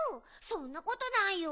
そんなことないよ。